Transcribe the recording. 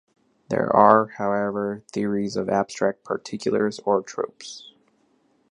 There are, however, theories of "abstract particulars" or "tropes".